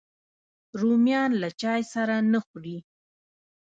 رومیان له چای سره نه خوري